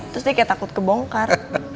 terus dia kayak takut kebongkar